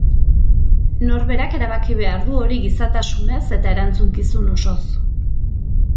Nor berak erabaki behar du hori gizatasunez eta erantzukizun osoz.